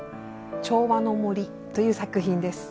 『調和の森』という作品です。